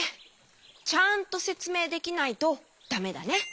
ちゃんとせつめいできないとだめだね。